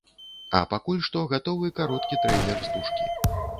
А пакуль што гатовы кароткі трэйлер стужкі.